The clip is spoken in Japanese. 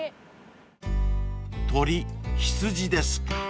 ［鳥羊ですか］